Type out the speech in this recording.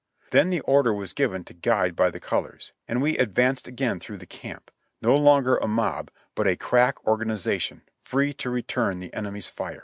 Then the order was given to guide by the col ors, and we advanced again through the camp — no longer a mob, but a crack organization, free to return the enemy's fire.